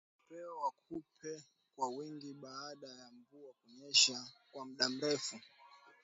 Uwepo wa kupe kwa wingi baada ya mvua kunyesha kwa muda mrefu